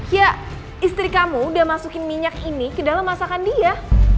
ya istri kamu udah masukin minyak ini ke dalam masakan dia